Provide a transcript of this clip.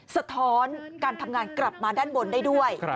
สะท้อนการทำงานกลับมาด้านบนได้ด้วย